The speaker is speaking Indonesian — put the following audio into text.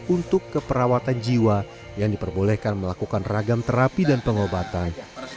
untuk keperawatan jiwa yang diperbolehkan melakukan ragam terapi dan pengobatan